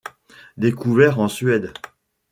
Découvert en Suède.